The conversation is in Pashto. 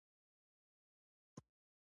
درناوی کول د مینې ښکارندویي کوي.